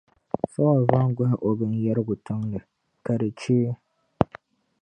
Saul va n-gɔhi o binyɛrigu tiŋli, ka di cheei.